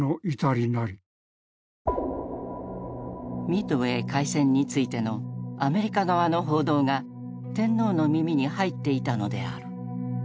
ミッドウェー海戦についてのアメリカ側の報道が天皇の耳に入っていたのである。